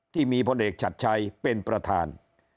ที่มีพลเอกชัดชัยเป็นประธาน